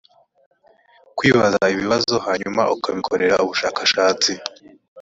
kwibaza ibibazo hanyuma ukabikorera ubushakashatsi.